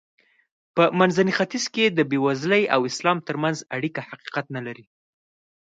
په منځني ختیځ کې د بېوزلۍ او اسلام ترمنځ اړیکه حقیقت نه لري.